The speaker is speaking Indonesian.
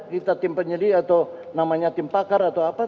kita tim penyelidik atau namanya tim pakar atau apa